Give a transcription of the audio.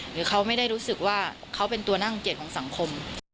หรือเขาไม่ได้รู้สึกว่าเขาเป็นตัวนั่งเกียจของสังคม